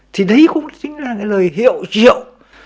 thì đấy cũng chính là cái lời hiệu triệu